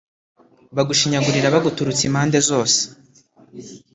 bagushinyagurira baguturutse impande zose